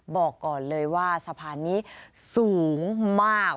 บอกก่อนเลยว่าสะพานนี้สูงมาก